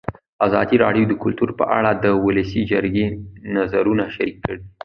ازادي راډیو د کلتور په اړه د ولسي جرګې نظرونه شریک کړي.